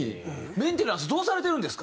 メンテナンスどうされてるんですか？